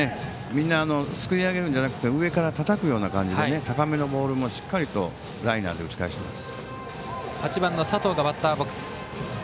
みんなすくい上げるんじゃなくて上からたたくような感じで高めのボールもしっかりと８番の佐藤がバッターボックス。